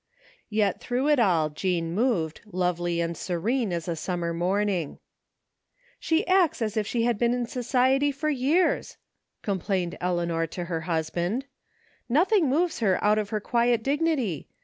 Yet through it all Jean moved, lovely and serene as a summer morning " She acts as if she had been in society for years," complained Eleanor to her husband. " Nothing moves her out of her quiet dignity.